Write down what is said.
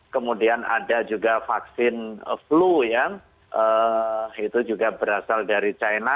kemudian ada juga vaksin flu yang itu juga berasal dari china